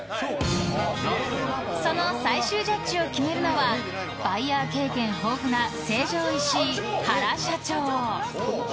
その最終ジャッジを決めるのはバイヤー経験豊富な成城石井、原社長。